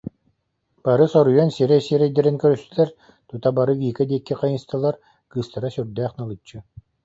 Бары соһуйан сирэй-сирэйдэрин көрүстүлэр, тута бары Вика диэки хайыстылар, кыыстара сүрдээх налыччы: